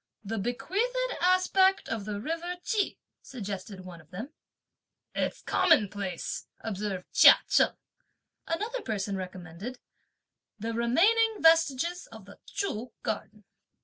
"The bequeathed aspect of the river Ch'i!" suggested one of them. "It's commonplace," observed Chia Cheng. Another person recommended "the remaining vestiges of the Chü Garden."